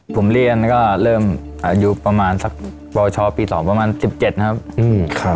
ผมเรียนก็เริ่มอายุประมาณสักปชปี๒ประมาณ๑๗นะครับ